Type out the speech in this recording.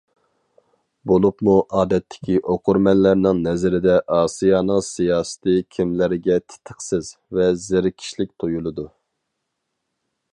بولۇپمۇ ئادەتتىكى ئوقۇرمەنلەرنىڭ نەزىرىدە ئاسىيانىڭ سىياسىتى كىملەرگە تېتىقسىز ۋە زېرىكىشلىك تۇيۇلىدۇ.